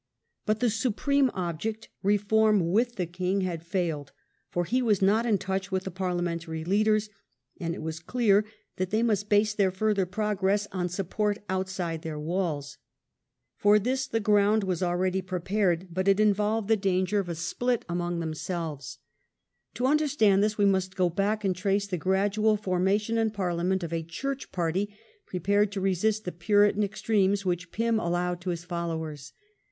But the supreme object, reform with the king, had failed; he was not in touch with the Parliamentary leaders, and it was clear that they must base their further progress on support outside their walls. For this the ground was already prepared, but it involved the danger of a split among themselves. To A PARTY FOR THE KING. 35 understand this we must go back and trace the gradual for mation in Parliament of a church party prepared to resist the Puritan extremes which Pym allowed to j^. his followers.